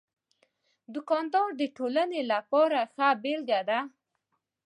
دوکاندار د ټولنې لپاره ښه بېلګه ده.